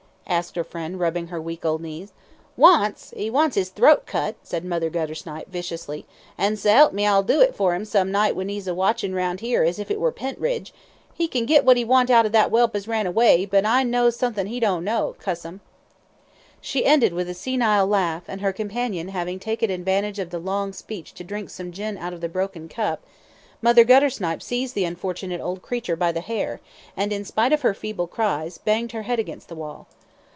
asked her friend, rubbing her weak old knees. "Wants? 'e wants 'is throat cut," said Mother Guttersnipe, viciously. "An' s'elp me I'll do for 'im some night w'en 'e's a watchin' round 'ere as if it were Pentridge 'e can git what he can out of that whelp as ran away, but I knows suthin' 'e don't know, cuss 'im." She ended with a senile laugh, and her companion having taken advantage of the long speech to drink some gin out of the broken cup, Mother Guttersnipe seized the unfortunate old creature by the hair, and in spite of her feeble cries, banged her head against the wall.